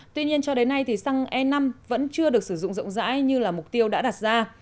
tuy nhiên cho đến nay thì xăng e năm vẫn chưa được sử dụng rộng rãi như là mục tiêu đã đặt ra